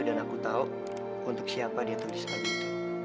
dan aku tau untuk siapa dia tulis lagu itu